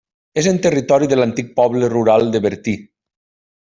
És en territori de l'antic poble rural de Bertí.